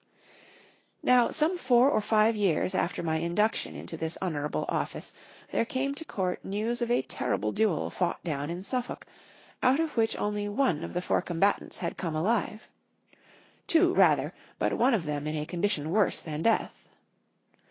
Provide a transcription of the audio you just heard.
Now, some four or five years after my induction into this honorable office, there came to court news of a terrible duel fought down in Suffolk, out of which only one of the four combatants had come alive two, rather, but one of them in a condition worse than death.